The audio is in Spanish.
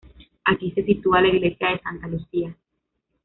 Aquí se sitúa la Iglesia de Santa Lucía